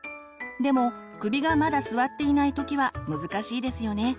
でも首がまだ座っていない時は難しいですよね。